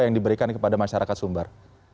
yang diberikan kepada masyarakat sumbar